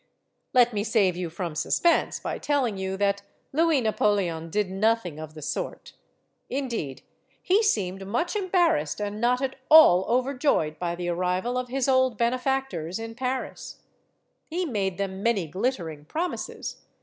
Let me save you from suspense by telling you that 228 STORIES OF THE SUPER WOMEN Louis Napoleon did nothing of the sort. Indeed, he seemed much embarrassed and not at all over joyed by the arrival of his old benefactors in Paris. He made them many glittering promises.